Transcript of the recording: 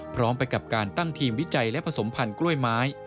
พร้อมไปกับการตั้งทีมวิจัยและผสมพันธุ์กล้วยไม้